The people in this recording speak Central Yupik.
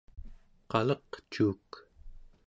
qaleqcuuk